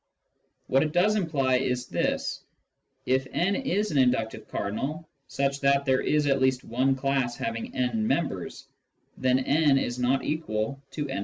What it does imply is this : If n is an inductive cardinal such that there is at least one class having n members, then n is not equal to «+i.